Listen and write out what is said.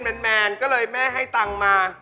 ให้เป็นแมนก็เลยแม่ให้ตังมา